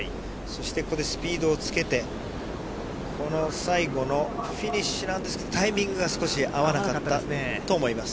ここでスピードをつけて、この最後のフィニッシュなんですけど、タイミングが少し合わなかったと思います。